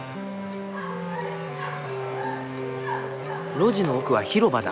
路地の奥は広場だ。